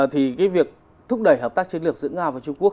thì cái việc thúc đẩy hợp tác chiến lược giữa nga và trung quốc